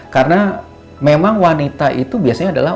karena memang wanita itu biasanya adalah